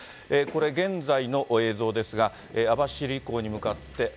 これ、現在の映像ですが、網走港に向かって。